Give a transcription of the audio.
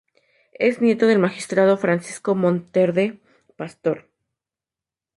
Es nieto del magistrado Francisco Monterde Pastor.